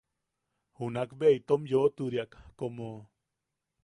Junakbe itom yoʼoturiak como.